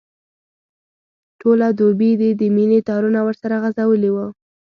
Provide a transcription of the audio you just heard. ټوله دوبي دي د مینې تارونه ورسره غځولي وو.